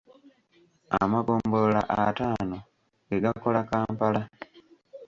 Amagombolola ataano ge gakola Kampala.